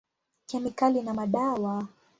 Kemikali na madawa.